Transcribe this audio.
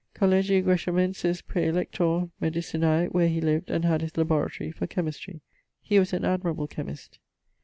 Collegii Greshamensis Praelector medicinae; where he lived, and had his laboratory for Chymistrie. He was an admirable Chymist.